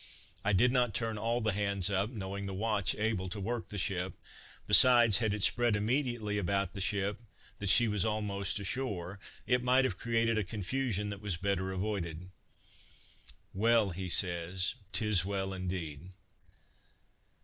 I did not turn all the hands up, knowing the watch able to work the ship; besides, had it spread immediately about the ship, that she was almost ashore, it might have created a confusion that was better avoided." "Well," says he, "'t is well indeed."